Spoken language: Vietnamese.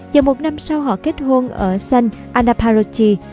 và một năm sau họ kết hôn ở seine